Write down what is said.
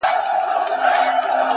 د کوټې دننه رڼا د بهر تیاره نرموي!